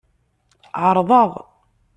Ɛerḍeɣ.